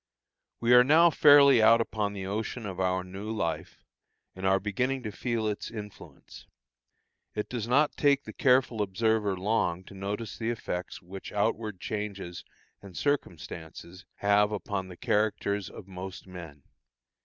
We are now fairly out upon the ocean of our new life, and are beginning to feel its influence. It does not take the careful observer long to notice the effects which outward changes and circumstances have upon the characters of most men.